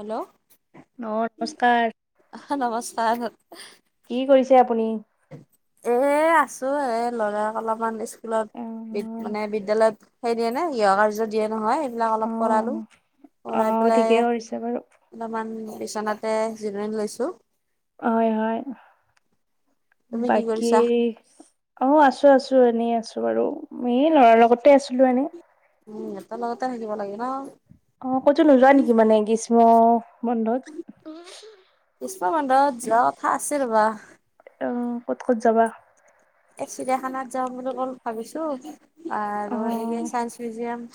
Hello? অ নমস্কাৰ আহ নমস্কাৰ [unintelligible] কি কৰিছে আপুনি এ আছো এ ল'ৰাক অলপমান স্কুলত অ বি মানে বিদ্যালয়ত সেই দিয়ে নে গৃহকাৰ্য দিয়ে নহয় সবিলাক অলপ পঢ়ালো, পঢ়াই অ পেলাই ঠিকেই কৰিছে বাৰু অলপমান বিচনাতে জিৰনি লৈছো। হয় হয় তুমি কি বাকী কৰিছা অ', আছো আছো এনেই আছো বাৰু, এ ল'ৰাৰ লগতে আছিলো এনেই। উম এটা লগতে থাকিব লাগে ন'। অ', ক'তো নোযোৱা নেকি মানে, গ্ৰীষ্ম বন্ধত গ্ৰিষ্মবন্ধত যোৱা কথা আছিল ৰ'বা। অ', ক'ত ক'ত যাবা? চিৰিয়াখানাত যাাম বুলি অল ভাবিছো, অ আৰু এনেকে চাইন্স মিউজিয়াম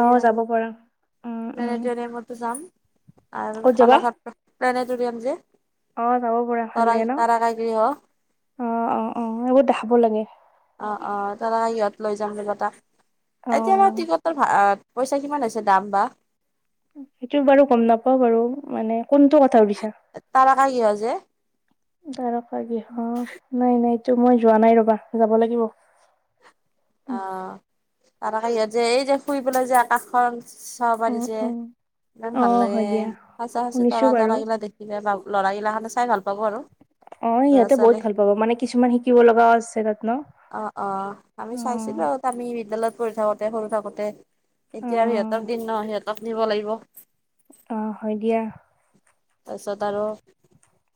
অ যাব পৰা আৰু প্লেনেটৰিয়ামতো উম উম যাম। আৰু কলাঘ ক'ত [unintelligible] যাবা প্নেটৰিয়াম যে তাৰ অ যাব তাৰা পৰা ভাল লাগে ন [unintelligible] কাইকৰি হ অ', অ', অ', এইবোৰ দেখাব লাগে অ', অ', দাদা সিহঁত লৈ যাম তিনিটা, অ এতিয়া মই টিকটৰ ভাড়া পইচা কিমান আছে দাম বা। সেইটো বাৰু গম নাপাও বাৰু, মানে কোনটো কথা সুধিছে তাৰকাগৃহ যে। তাৰকাগৃহ নাই নাই এইটো মই যোৱা নাই ৰ'বা যাব লাগিব। আহ তাৰকাগৃত যে এই যে ফুৰিবলৈ যে আকাশখন চাব উম পাৰিছে, উম ইমান অ ভাল লাগে, হয় দিয়া সঁচা সঁচি শুনিছো তৰা বাৰু তৰা এইিলা দেখিলে বাল ল'ৰাগিলাখনে চাই ভাল পাব আৰু অ', ল'ৰা সিহঁতে বহুত ছোৱালী ভাল পাব মানে কিছুমান শিকিব লগাও আছে তাত ন'। অ', অ'। আমি অ চাইছিলো আৰু আমি বিদ্যালয়ত পঢ়ি থাকোঁতে সৰু থাকোতে অ এতিয়া আৰু সিহঁতক দিন ন' সিহঁতক নিব লাগিব। অ', হয় দিয়া। তাৰপিছত আৰু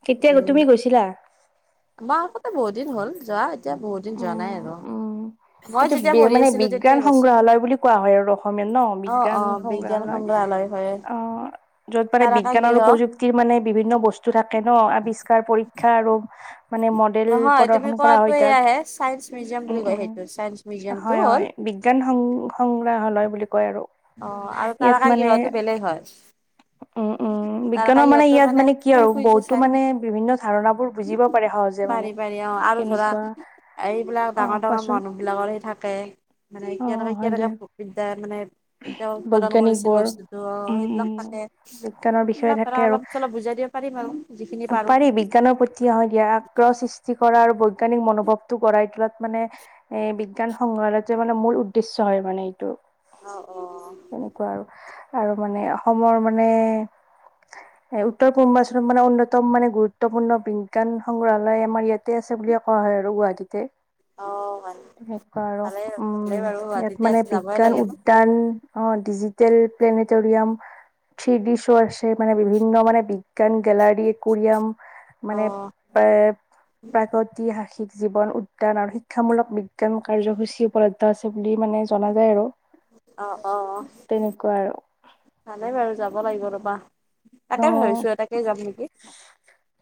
কেতিয়া তুমি গৈছিলা? মাৰ আকতে বহুত দিন হ'ল যোৱা এতিয়া বহুত দিন যোৱা নাই আৰু? মই এইটো যেতিয়া বি পঢ়ি মানে আছিলো তেতিয়া বিজ্ঞান গৈছিলো সংগ্ৰহালয় বুলি কোৱা হয় আৰু অসমীয়াত ন', অ', বিজ্ঞান অ', বিজ্ঞান সংগ্ৰহালয়। হয়। অ', য'ত পাৰে তাৰকা বিজ্ঞান আৰু গৃহ প্ৰযুক্তিৰ মানে বিভিন্ন বস্তু থাকে ন আৱিষ্কাৰ পৰীক্ষা আৰু মানে মডেল নহয় তুমি প্ৰদৰ্শন কৰা কোৱাটো হয় তাক এয়াহে চাইন্স মিউজিয়াম উম বুলি কয় উম। সেইটো চাইন্স মিউজিয়ামটো হয় হ'ল হয় বিজ্ঞান সং সংগ্ৰাহালয় বুলি কয় আৰু অ', আৰু ইয়াত তাৰকা মানে গৃহটো বেলেগ হয়। উম উম তাৰকা বিজ্ঞানৰ মানে গৃহটো ইয়াত মানে কি শুই আৰু শুই যে বহুতো চাই মানে বিভিন্ন ধাৰণাবোৰ বুজিব পাৰে। সহজে মানে পাৰি পাৰি অ', আৰু ধৰা কেনেকুৱা এইবিলাক অ ডাঙৰ ডাঙৰ কোৱাচোন মানুহবিলাকৰ থাকে মানে অ কেনেকে হয় দিয়া কেনেকে বিদ্যা মানে তেওঁ উৎপাদন বৈজ্ঞানিক কৰিছিল বোৰ বস্তুতটো অ', উম উম সেইবিলাক থাকে, বিজ্ঞানৰ বিষয়ে কৰা থাকে আৰু অলপ চলপ বুজাই দিব পাৰিম আৰু যিখিনি পাৰো। পাৰি বিজ্ঞানৰ প্ৰতি আহো দিয়া আগ্ৰহ সৃষ্টি সূষ্টি কৰা আৰু বৈজ্ঞানিক মনোভাৱটো গঢ়াই তোলাত মানে এ বিজ্ঞান সংগ্ৰহালয়ো মানে মূল উদ্দেশ্য হয়, মানে এইটো। অ' অ', তেনেকুৱা আৰু আৰু মানে অসমৰ মানে এ উত্তৰ পূৰ্বাঞ্চলত মানে অন্যতম মানে গুৰুত্বপূৰ্ণ বিজ্ঞান সংগ্ৰহালয় আমাৰ ইয়াতে আছে। আছে বুলিয়ে কোৱা হয় আৰু গুৱাহাটীতে। অ', সেই আৰু ভালেই উম ভালেই বাৰু ইয়াত গুৱাহাটীতে মানে আছে যাবই বিজ্ঞান লাগে উ ন অ', ডিজিটেল প্লেনেটৰিয়াম থ্ৰিডিছো' আছে মানে বিভিন্ন মানে বিজ্ঞান গেলাৰি কৰিয়াম মানে অ'। এ প্ৰাগতি সাসিক জীৱন উদ্যান আৰু শিক্ষামূলক বিজ্ঞান কাৰ্যসূচী উপলব্ধ আছে বুলি মানে জনা যায় আৰু। অ' অ' তেনেকুৱা আৰু ভালেই বাৰু যাব লাগিব ৰ'বা। তাকে অ' ভাবিছো তাকে যাম নেকি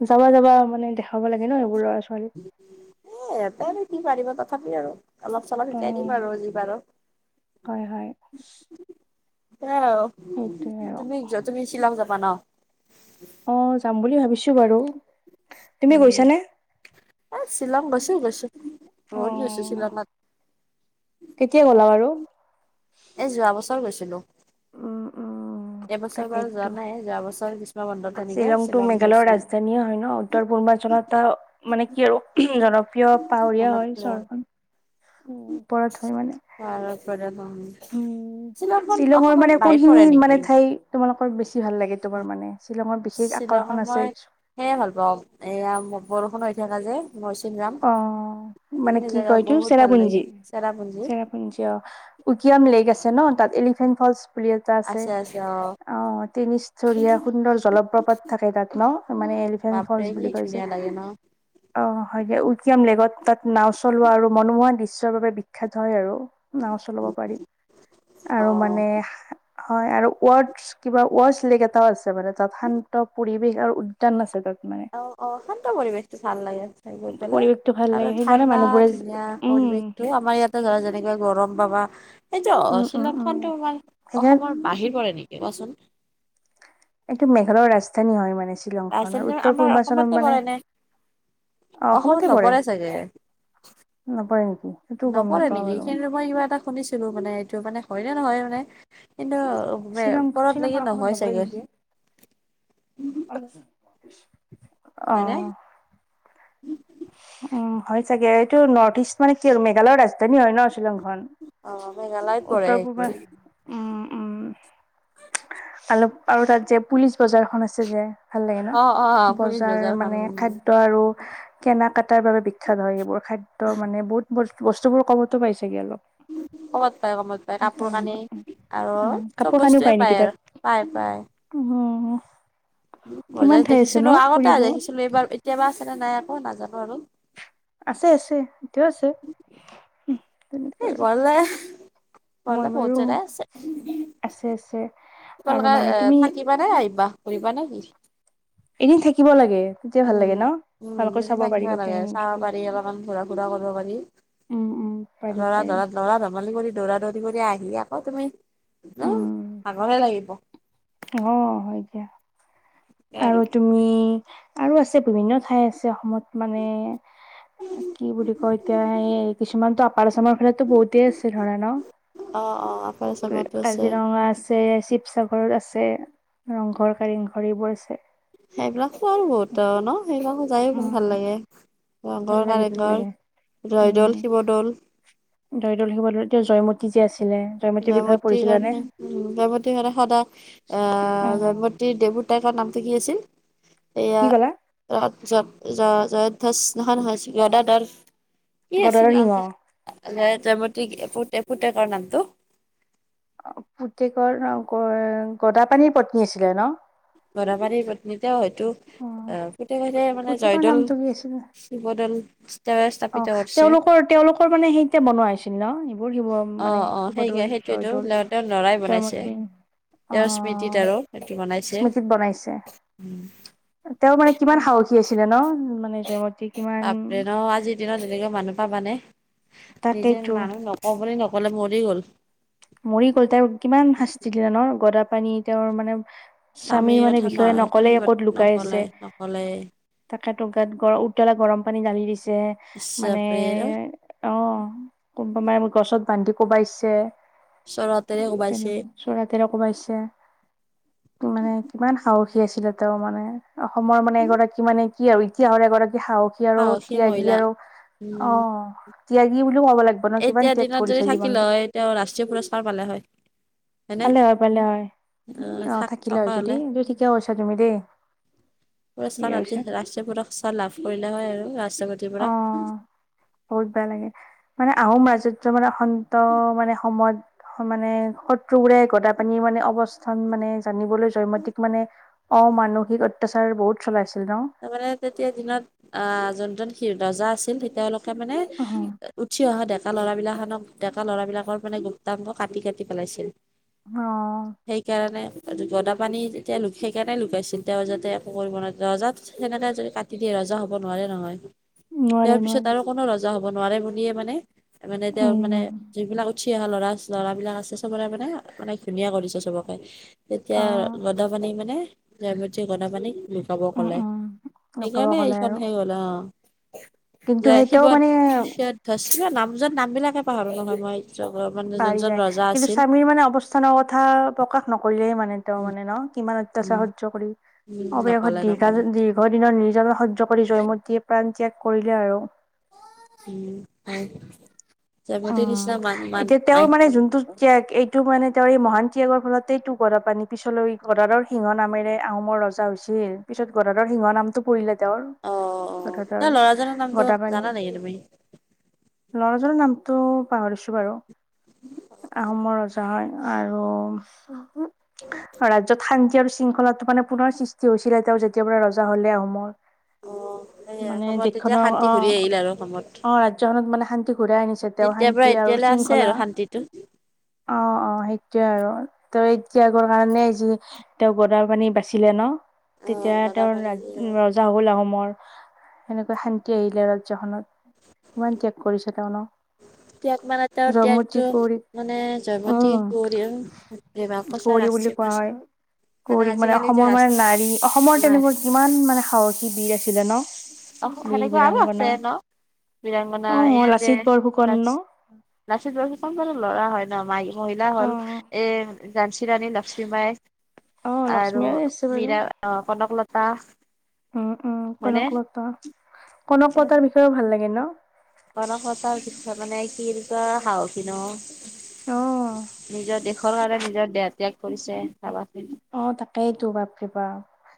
যাবা যাবা মানে দেখাব লাগে ন এইইবোৰ। এ এতে আৰু কি পাৰিব তথাপি আৰু। অলপ চলপ অ শিকাই দিম আৰু যি পাৰু। হয় হয় এ সেইটোৱে আৰু তুমি তুমি শ্বিলং যাবা ন। অ' যাম বুলি ভাবিছো বাৰু তুমি উম গৈছানে। এ শ্বিলং বেছি গৈছো বহুত গৈছো শিলংত। কেতিয়া গলা আৰু। এ যোৱা বছৰ গৈছিলো। অ' এবছৰ বাৰু যোৱা নাই যোৱা বছৰ গৈছো। শ্বিলংতটো মেঘালয়ৰ ৰাজধানী হয় ন উত্তৰ পূৰ্বাঞ্চলতটা মানে কি আৰু জনপ্ৰিয় পাহৰীয়া গৈছো অঞ্চল ওপৰত হয় মানে। উ শ্বিলংখন শ্বিলঙৰ অসমৰ মানে বাহিৰত কোনখিনি পৰে মানে নেকি ঠাই তোমালোকৰ বেছি ভাল লাগে তোমাৰ মানে। শ্বিলঙৰ বিশেষ আকৰ্ষণ শ্বিলঙত আছে মই সেয়ে ভাল পাওঁ এয়া বৰষুণ হৈ থাকা যে মৰচিংৰাম। অ মানে কি কয় এইটো চেৰাপুঞ্জী চেৰাপুঞ্জী চেৰাপুঞ্জী অ' উকিয়াম লে'ক আছে। ন তাত এলিফেণ্ট ফলচ বুলি এটা আছে। অ' তিনিষ্টলিয়া সুন্দৰ জলপ্ৰপাত থাকে তাত ন মানে এলিফেন্ট বাপৰে ফলচ কি বুলি কৈছে। ধুনীয়া লাগে ন। অহ উইকিয়াম লে'গত তাত নাও চলোৱা আৰু মনোমোহা দিশ্যৰ বাবে বিখ্যাত হয় আৰু। নাও চলাব পাৰি অ আৰু মানে হয়, আৰু ৱৰ্ড কিবা ৱৰ্ডছ লে'ক এটাও আছে মানে তাত শান্ত পৰিৱেশ আৰু উদ্যান আছে তাত। মানে অ' অ' শান্ত পৰিৱেশটো ভাল লাগে। গৈ পেলাই পৰিৱেশটো ভাল লাগে আৰু সেইকাৰণে ঠাণ্ডা মানুহবোৰে ধুনীয়া উম পৰিবেশটো আমাৰ ইয়াতে ধৰা যেনেকে গৰম পাবা। সেইটো উম উম শ্বিলং উম খনতো আমাৰ অসমৰ সেইকাৰণে বাহিৰ নেকি কোৱাচোন। এইটো মেঘালয়ৰ ৰাজধানী হয় মানে শ্বিলংখননৰ ৰাজধানী উত্তৰ আমাৰ পূৰ্বাঞ্চলত অসমতে মানে পৰে নে অ' অসমত অসমতে পৰে নপৰে চাগে নপৰে। সেইটো গম নপৰে নাপাওঁ নেকি বাৰু সেইখন মই কিবা এটা শুনিছিলো মানে এইটো মানে হয়নে নহয় মানে কিন্তু শ্বিলং ওপৰত শ্বিলংখন লেকি অসমত নহয় নপৰে চাগে। নেকি? অ' উম। উম, হয় চাগে এইটো নৰ্থ ইষ্ট মানে কি আৰু মেঘালয়ৰ ৰাজধানী হয় ন শ্বিলং। অ মেঘালয়ত পৰে উত্তৰপূৰ্বা সেইটো উম। উম, অলপ আৰু তাত যে পুলিচ বজাৰখন আছে যে ভাল লাগে ন অ অ পুলিচ বজাৰ বজাৰখন মানে খাদ্য আৰু কেনা কটাৰ বাবে বিখ্যাত হয় এইবোৰ খাদ্য মানে বহুত ব বস্তু বোৰ কম তো পাইছেগে অলপ। উম। কমত পায় কমত পায় কাপোৰ কানি আৰু উম, চব কাপোৰ কানিও বস্তুৱয়ে নেকি পায় তাত? আৰু পায় পায়। উম। উ কিমান মজাই ঠাই আছে দেখিছিলো ন' আগতে ফুৰিব? দেখিছিলো এইবাৰ এতিয়াবা আছেনে নাই আকৌ নাজানো আৰু আছে আছে এতিয়াও আছে। তেনেকুৱা এই আৰু গলে গলে মই বহুত বাৰু জেগাই আছে আছে আছে। আৰু তোমালোকে মানে তুমি থাকিবা নে আহিবা ঘূৰিবা নেকি। [inaudible] এদিন থাকিব লাগে তেতিয়া ভাল লাগে ন উম ভালকৈ যদি চাব পাৰি থাকিব লাগে গোটেইখিনি চাব বস্তু। পাৰি অলপমান ঘূৰা ফুৰা কৰিব লৰা উম উম পাৰি পাৰি ধৰা লৰা ধেমালি কৰি দৌৰা দৌৰি কৰি আহি অ' তুমি ন উম ভাগৰে লাগিব অ', হয় দিয়া। আৰু তুমি আৰু আছে বিভিন্ন ঠাই আছে অসমত মানে কি বুলি কয় এতিয়া এই কিছুমানতো আপাৰ আচামৰ ফালেটো বহুতেই আছে ধৰা ন। অ'। অ আপাৰ আচামতো আছে কাজিৰঙা আছে শিৱসাগৰত আছে ৰংঘৰ কাৰেংঘৰ এইবোৰ আছে। সেইবিলাকো আৰু বহুত ন সেইবিলাকো যায় বহুত উম ভাল লাগে। ভাল ৰংঘৰ লাগে ভাল কাৰেংঘৰ লাগে উম জয়দৌল শিৱদৌল। জয়দৌল শিৱদৌল এতিয়া জয়মতী যে আছিল। জয়মতীৰ কাৰণে উম জয়মতীৰ কাৰণে সদায় আহ উম জয়মতী দেৱত তাই কোৱা নামটো কি আছিল এয়া কি ক'লা [unintelligible] জয়ধ্বজ নহয় নহয় গদাধৰ কি গদাধৰ আছিল সিংহ জয়মতীৰ পুতেকৰ নামটো পুতেকৰ গদাপানীৰ পত্নী আছিলে ন। গদাপানিৰ পত্নী তেওঁ হয়তো অ', পুতে মানে পুতেকৰ জয়দৌল নামটো কি আছিলে শিৱদৌল তেওঁৱে স্থাপিত অ', কৰিছে তেওঁলোকৰ তেওঁলোকৰ মানে সেইতে বনোৱা হৈছিল ন এইবোৰ মানে অ', অ', সেই শিৱদৌল সেইটোৱেতো জয়দৌল তেওঁৰ লৰাই বনাইছে। জয়মতী অ তেওঁৰ স্মৃতিত আৰু সেইটো টো বনাইছে স্মৃতিত বনাইছে উম। তেওঁ মানে কিমান সাহসী আছিলে ন, মানে জয়মতী কিমান বাপৰে ন আজিৰ দিনত এনেকে মানুহ পাবা নে নিজে তাকেইতো মানুহ নকওঁ বুলি নকলে মৰি গল। মৰি গ'ল তেওঁৰ কিমান শাস্তি দিলে ন গদাপানী তেওঁৰ মানে স্বামী স্বামীৰ মানে কথা ন বিষয়ে স্বামী নকলেই ক'ত লুকাই নকলে আছে নকলে তাক সেত গাত গ উতলা গৰম পানী দালি দিছে ইচ মানে, বাপৰে অ'। কুম্পোমাই মোক গছত বান্ধি কোবাইছে। চৰ হাতেৰে তেনে কোবাইছে চৰাতেৰে কবাইছে মানে কিমান সাহসী। আছিলে তেওঁমানে অসমৰ মানে এগৰাকী মানে কি আৰু ইতিহাসৰ এগ সাহসী আৰু ত্যাগী আৰু উম অ', ত্যাগী বুলিও ক'ব লাগিব ন কিমান এতিয়া ত্যাগ দিনত যদি কৰিছে থাকিলে জীৱনটো হয় তেওঁ ৰাষ্ট্ৰীয় পুৰস্কাৰ পালে হয়। হয়নে ভালে হয় ভালে হয় অ', থাক থাকিলে হৈ থকা যদি হলে ঠিকে কৈছা তুমি দেই। ঠিকে পুৰস্কাৰ আনকি কৈছা ৰাষ্ট্ৰীয় পদক চঃ লাভ কৰিলে হয় আৰু ৰা অ', বহুত বেয়া লাগে। মানে আহোম ৰাজত্ব মানে সন্ত, মানে সময়ত মানে শত্ৰুবোৰে গদাপানী মানে অৱস্থান মানে জানিবলৈ জয়মতীক মানে অমানসিক অত্যাচাৰ বহুত চলাইছিল ন তাৰমানে তেতিয়া দিনত আহ যোনজন ৰজা আছিল তেতিয়া অলপ তাৰ মানে অ উঠি অহা ডেকা ল'ৰা বিলাক ডেকা লৰাবিলাকৰ মানে গুপ্তাংগ কাটি কাটি পেলাইছিল, সেইকাৰণে গদা পানী তেতিয়া সেইকাৰণে লুকাইছিল। তেওঁ যাতে একোকৰিব নোৱাৰে ৰজাত তেনেকে যদি কাটি দিয়ে ৰজা হ'ব নোৱাৰে নহয়, তাৰ নোৱাৰে পিছত নোৱাৰে আৰু কোনো ৰজা। ৰজা হব নোৱাৰে বুলিয়ে মানে, মানে তেওঁক মানে উম যিবিলাক উঠিঅহা লৰা, ল'ৰাবিলাক আছে চবৰে মানে মানে ঘূনীয়া কৰিছে চবকে। তেতিয়া অ গদাপানীক মানে জয়মতীয়ে গদাপানীক লুকাব উম ক'লে। উম লুকাব সেইকাৰণে গলে আৰু এইখনে হৈ গ'ল অ। কিন্তু যে সেইটাও শিৱত মানে শিধচ নামজন নাম বিলাকে পাহৰো নহয় মই। মানে পাৰি যোনজন যায়, ৰজা কিন্তু আছিল স্বামীৰ মানে অৱস্থানৰ কথা প্ৰকাশ নকৰিলে মানে তেওঁ উম মানে ন কিমান উম সয্য কৰি উম অৱশেষত নকলে নকলে দীৰ্ঘ, দীৰ্ঘ দিনৰ নিৰ্যাতন সয্য কৰি জয়মতীয়ে। প্ৰাণ ত্যাগ কৰিলে আৰু। [unintelligible] উম, নিচিনা মান মান এতিয়া তেওঁৰ মানে যোনটো ত্যাগ এইটো মানে তেওঁৰ মহান ত্যাগৰ ফলতেইতো গদাপাণি পিছলৈ গদাধৰ সিংহ নামেৰে আহোমৰ ৰজা হৈছিল। পিছত গদাধৰ সিংহ নামটো পৰিলো- তেওঁৰ অ অ গদাধৰ ল'ৰাজনৰ নামটো গদাপানী, জানা নেকি তুমি ল'ৰ নামটো পাহৰিছো বাৰু, আহোমৰ হয়, আৰু অ ৰাজ্যত শান্তি আৰু শৃংখলাটো মানে পুনৰ সৃষ্টি হৈছিলে তেওঁ যেতিয়াৰ পৰা ৰজা হলে আহোমৰ। অ। সেয়া মানে অসমত তেতিয়া দেশখনৰ শান্তি অ, ঘূৰি আহিল আৰু অসমত অ ৰাজ্যখনত মানে শান্তি ঘূৰাই আনিছে তেওঁ, তেতিয়াৰ পৰা শান্তি আৰু এতিয়ালৈ আছে শৃংখলা আৰু শান্তিটো অ অ সেইটোৱে আৰু। তেওঁৰ ত্যাগৰ কাৰণে যি তেওঁ গদাপানী বাচিলে ন। অ তেতিয়া গদাপাণি তেওঁৰ ৰজা হ'ল আহোমৰ। সেনেকৈ শান্তি আহিলে ৰাজ্যখনত কিমান ত্যাগ কৰিছে তেওঁ ন। ত্যাগ মানে তেওঁ জয়মতী ত্যাগটো কুঁৱৰী মানে উম জয়ৱতীকুৱৰী প্ৰেম প্ৰচাৰ আছিল। বচ। গৌৰিক মানে অসমৰ মানে নাৰী অসমৰ নাই তেনেকুৱা কিমান মানে সাহসী বীৰ আছি। আছিলে ন অ বীৰ সেনেকুৱা আৰু আছে বীৰাংগনা। ন বীৰাংগনা অ এয়া যে লাচিত বৰফুকন লাচ ন। লাচিত বৰফুকন বাৰু ল'ৰা হয় ন, মহিলা অ হল এ জানসি ৰাণী, লক্ষ্মীবাই অ আৰু লক্ষ্মীয়ে আছে বাৰু মীৰা, কনকলতা তা। [unintelligible] উম উম কনকলতা। কনকলতা বিষয়েও ভাল লাগে ন। কনকলতা শিক্ষা মানে কি বুলিকয় সাহসী ন। অ নিজৰ দেশৰ কাৰণে নিজৰ দেহত্যাগ কৰিছে চাবাছোন। অ তাকেই টো বাপৰে বাপ।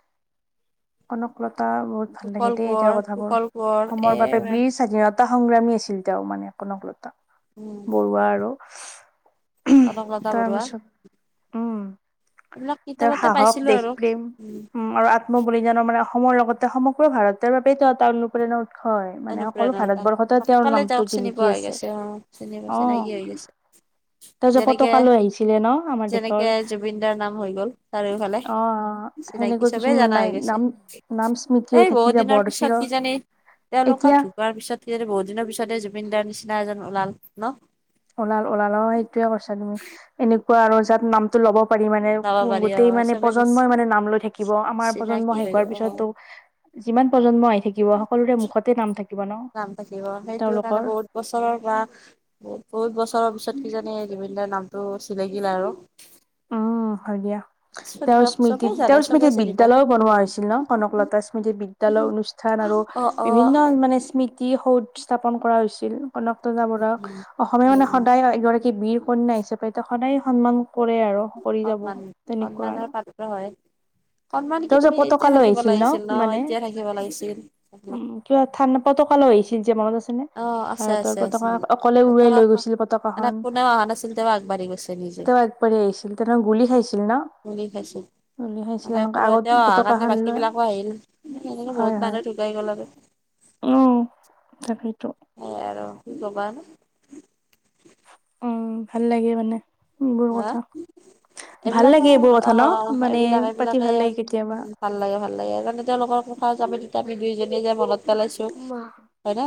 কনকলতা। বা বহুত ভাল লাগে কুশল দেই তেওৰ কোঁৱৰ কথাবোৰ, কুশল কোঁৱৰ এ অসমৰ বাবে বীৰ স্বাধীনতা সংগ্ৰামী আছিল তেওঁ মানে। কনকলতা উম বৰুৱা আৰু কনকলতা বৰুৱা তাৰপিছত, উম এইবিলাক তেওঁৰ কিতাপতে সাহস পাইছিলো দেশ আৰু প্ৰেম উম আৰু আত্ম বলিদানৰ মান অসমৰ লগতে সমগ্ৰ ভাৰতৰ বাবে এটা অনুপ্ৰেৰণা হয় মানে সকলো অনুপ্ৰেৰণা ভাৰতবৰ্ষতে তেওঁৰ অকলে নামটো যক চিনি জিলিকি পোৱা হৈ আছে গৈছে অ চিনি পোৱা অ চিনাকি হৈ গৈছে। তেওঁ যে যেনেকে পতকা লৈ আহিছিলে ন আমাৰ যেনেকে দেশৰ জুবিন দাৰ নাম হৈ গ'ল চাৰিওফালে অ চিনাকি সেনেকৈ চবেই কিছুমান জানা নাই হৈ গৈছে। নাম নাম স্মৃতি হৈ এই থাকি বহুত যাব দিনৰ আৰু পিছত ইয়াত চিৰ কি যানে, ইয়াত তেওঁলোকৰ এতিয়া ঢুকুৱাৰ পিছত কিজানি বহুত দিনৰ পিছতে জুবিনদাৰ নিচিনা এজন ওলাল ন ওলাল ওলালা সেইটোয়ে কৰিছা তুমি এনেকুৱা আৰু যাত নামটো ল'ব পাৰি মানে ওলাব পাৰি অ গোটেই মানে চবে প্ৰজন্মই মানে নাম লৈ থাকিব আমাৰ প্ৰজন্ম চিনাকি হৈ শেষোহোৱাৰ অ পিছতো যিমান প্ৰজন্ম আহি থাকিব সকলোৰে মুখতে নাম থাকিব ন নাম থাকিব সেইটো কাৰণে তেওঁলোকৰ বহুত বছৰৰ পৰা বহুত বহুত বছৰৰ পিছত কিজানি জীবন্দ দাৰ নামটো চিলকিলে আৰু উম, হয় দিয়া। [inaudible] তেওঁৰ স্মৃতিত চবেই জানে তেওঁৰ চবেই স্মৃতিত চিনি পায় বিদ্যালয়ও বনোৱা হৈছিল ন' কনক লতা স্মৃতিৰ বিদ্যালয় অনুষ্ঠান আৰু অ অ বিভিন্ন মানে স্মৃতি কি সৌদ স্থাপন কৰা হৈছিল কনকজা বৰুৰাক উম অসমীয়া উম মানে উম সদায় এগৰাক বীৰ কন্যা হিচাপে ত সদায় সন্মান কৰে আৰু কৰি যাব সন্মান তেনেকুৱা সন্মানৰ আৰু পাত্ৰ হয় সন্মান কি তেওঁ যে তুমি পতকা এতিয়া লৈ থাকিব আহিছিল ন লাগিছিল মানে এতিয়া থাকিব লাগিছিল উ কিবা [unintelligible] তোৰ তালৈ আহছিল যে মনত আছে। অ আছে ভাৰতৰ আছে আছে পতাকা অকলে উৰুৱাই বৰ্তমান লৈ গৈছিল। মানে পতাকাখন কোনেও অহা নাছিল তেওঁ আগবাঢ়ি গৈছে নিজে তেওঁ আগবাঢ়ি আহিছিল, তেওঁ গুলি খাইছিল ন বুলি খাইছো। উলাইছ মানে কোনো এতিয়াও অহাৰ কাৰণে বাকী বিলাকো আহিল। সেনেকে বহুত মানুহ ঢুকাই গ'ল আৰু। অ, তাকেই। সেইয়া আৰু কি কবা ন'। উম ভাল লাগে মানে এইবোৰ কথা। ভাল এইবিলাকৰ লাগে এইবোৰ কথা ন অ' মানে পাতি এইবিলাক-এইবিলাকে ভাল লাগে কেতিয়াবা ভাল লাগে, ভাল লাগে যোনে তেওঁলোকৰ থা যমি তেতিয়া আমি দুইোয়ে যোই মনত পেলাইছো মা হয় ন'।